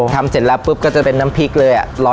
ทำเสร็จแล้วก็จะเป็นน้ำพริกเลย